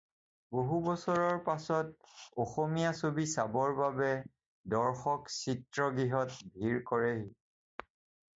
বহু বছৰৰ পাছত অসমীয়া ছবি চাবৰ বাবে দৰ্শক চিত্ৰগৃহত ভিৰ কৰেহি।